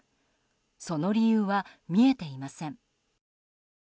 その理由は、見えていません。